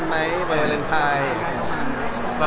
อันนี้ดาวน์พูดไปแล้ว